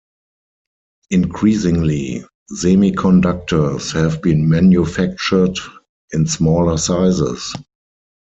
Increasingly, semiconductors have been manufactured in smaller sizes.